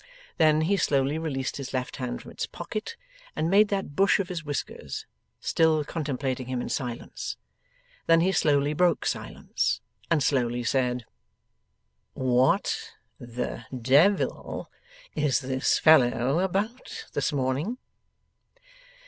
Then he slowly released his left hand from its pocket, and made that bush of his whiskers, still contemplating him in silence. Then he slowly broke silence, and slowly said: 'What the Dev il is this fellow about this morning?